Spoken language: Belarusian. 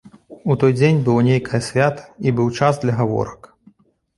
У той дзень было нейкае свята, і быў час для гаворак.